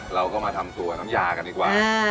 เราก็มาทำตัวน้ำยากันดีกว่า